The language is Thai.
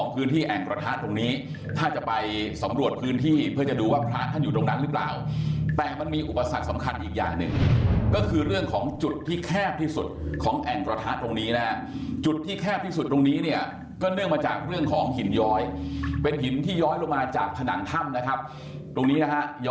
พื้นที่แอ่งกระทะตรงนี้ถ้าจะไปสำรวจพื้นที่เพื่อจะดูว่าพระท่านอยู่ตรงนั้นหรือเปล่าแต่มันมีอุปสรรคสำคัญอีกอย่างหนึ่งก็คือเรื่องของจุดที่แคบที่สุดของแอ่งกระทะตรงนี้นะฮะจุดที่แคบที่สุดตรงนี้เนี่ยก็เนื่องมาจากเรื่องของหินย้อยเป็นหินที่ย้อยลงมาจากผนังถ้ำนะครับตรงนี้นะฮะย้อ